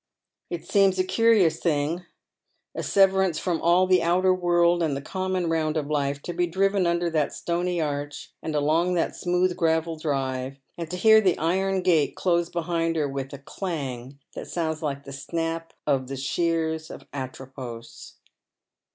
It seems a curious thing — a severance fi'om all the outer world and the common round of life — to be driven under that stony arch, and along that smooth gravel drive, and to hear the iron gate close behind her with a clang that sounds like the snap of the shears of Atror>os.